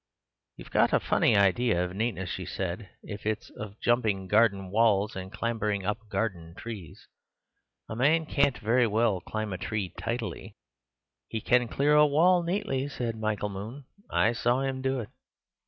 "You've got a funny idea of neatness," she said, "if it's jumping garden walls and clambering up garden trees. A man can't very well climb a tree tidily." "He can clear a wall neatly," said Michael Moon; "I saw him do it."